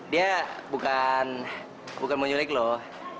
dia bukan bukan penculik loh